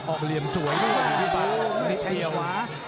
ออกเหลี่ยมสวยนี่ดีกว่านิดเดียว